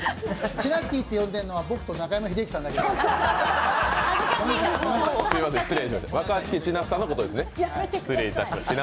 チナッティーって呼んでるのは僕と中山秀征さんだけです。